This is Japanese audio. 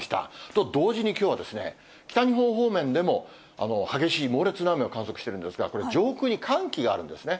と同時に、きょうは北日本方面でも激しい猛烈な雨を観測しているんですが、これ、上空に寒気があるんですね。